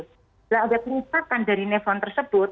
kalau kita merasakan dari nefron tersebut